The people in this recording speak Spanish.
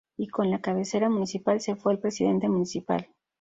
Y con la cabecera municipal se fue el presidente municipal.